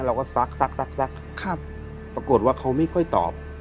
เราก็ซักปรากฏว่าเขาไม่ค่อยตอบ